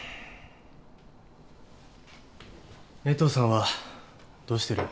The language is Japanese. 江藤さんはどうしてる？